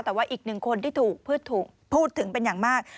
แต่ว่าอีกหนึ่งคนที่ถูกพูดถึงเป็นอย่างมาก